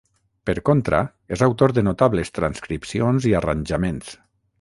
Per contra, és autor de notables transcripcions i arranjaments.